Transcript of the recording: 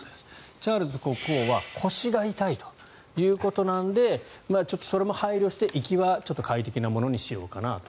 チャールズ国王は腰が痛いということなのでそれも配慮して、行きは快適なものにしようかなと。